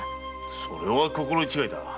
それは心得違いだ。